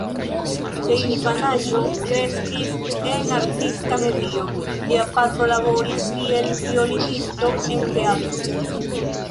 De infanaĝo kreskis en artista medio: lia patro laboris kiel violonisto en teatro.